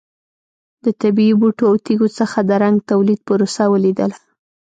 د طبیعي بوټو او تېږو څخه د رنګ تولید پروسه ولیدله.